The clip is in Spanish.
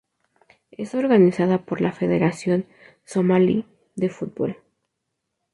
Es organizada por la Federación Somalí de Fútbol.